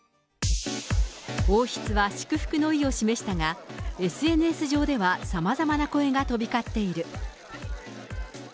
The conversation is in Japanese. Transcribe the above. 王室は祝福の意を示したが、ＳＮＳ上ではさまざまな声が飛び交っている。